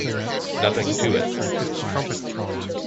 Nothing to it.